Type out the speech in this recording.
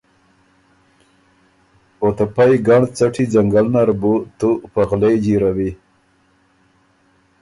او ته پئ ګنړ څټي ځنګل نر بُو تُو په غلې جېرَوی۔